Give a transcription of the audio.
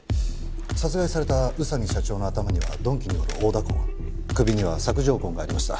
殺害された宇佐美社長の頭には鈍器による殴打痕首には索状痕がありました。